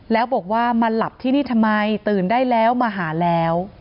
แล้วบอกว่ามาหลับที่นี่ทำไมตื่นได้แล้วมาหาแล้ว